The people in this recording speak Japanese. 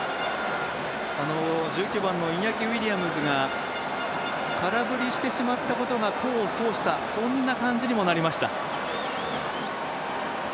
１９番のイニャキ・ウィリアムズが空振りしてしまったことが功を奏したそんな感じにもなりました。